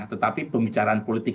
tetapi pembicaraan politik